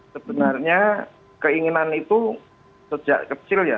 sebenarnya keinginan itu sejak kecil ya